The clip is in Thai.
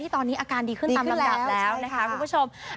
ตอนนี้อาการดีขึ้นตามลำดับแล้วนะคะคุณผู้ชม